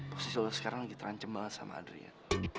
posisi lu sekarang lagi terancem banget sama adrian